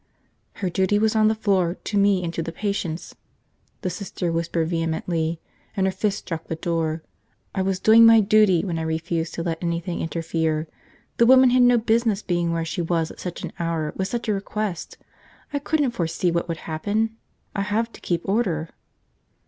"Her duty was on the floor, to me and to the patients!" the Sister whispered vehemently, and her fist struck the door. "I was doing my duty when I refused to let anything interfere! The woman had no business being where she was at such an hour with such a request. I couldn't foresee what would happen! I have to keep order."